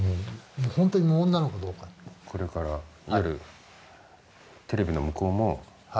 これからテレビの向こうも。